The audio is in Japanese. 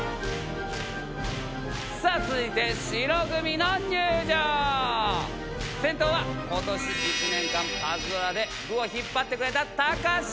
さあ続いて先頭は今年１年間パズドラで部を引っ張ってくれたたかし。